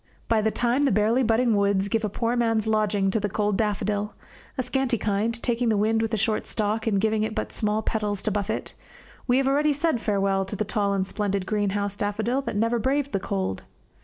By the time the barely budding woods give a poor man's lodging to the cold daffodil a scanty kind taking the wind with a short stalk and giving it but small petals to buffet we have already said farewell to the tall and splendid green house daffodil that never braved the cold.